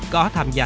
có tham gia